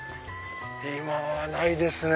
今はないですね。